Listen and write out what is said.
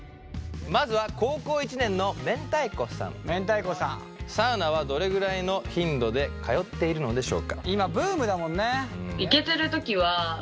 まずは高校１年のサウナはどれぐらいの頻度で通っているのでしょうか？